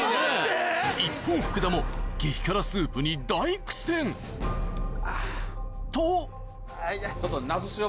一方福田も激辛スープにと痛い。